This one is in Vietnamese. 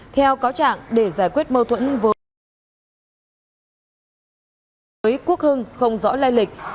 theo cáo trạng để giải quyết mâu thuẫn với quốc hưng không rõ lai lịch